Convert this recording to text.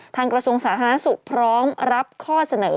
กระทรวงสาธารณสุขพร้อมรับข้อเสนอ